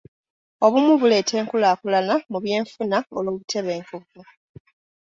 Obumu buleeta enkukulaakuna mu byenfuna olw'obutebenkevu.